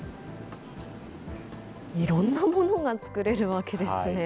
いろんなものが作れるわけですね。